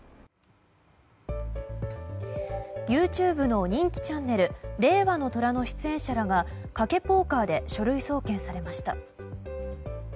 ＹｏｕＴｕｂｅの人気チャンネル「令和の虎」の出演者らが賭けポーカーで書類送検されました。